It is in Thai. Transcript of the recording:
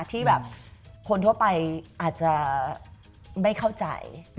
ที่แบบคนทั่วไปอาจจะไม่เข้าใจ